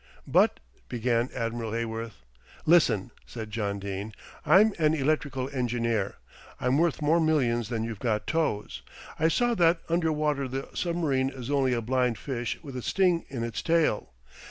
"But " began Admiral Heyworth. "Listen," said John Dene. "I'm an electrical engineer. I'm worth more millions than you've got toes. I saw that under water the submarine is only a blind fish with a sting in its tail.